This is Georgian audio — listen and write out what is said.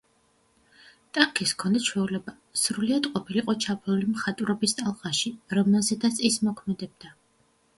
ტანგის ჰქონდა ჩვეულება, სრულიად ყოფილიყო ჩაფლული მხატვრობის ტალღაში, რომელზედაც ის მოქმედებდა.